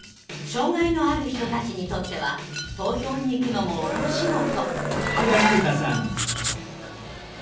障害のある人たちにとっては投票に行くのも大仕事。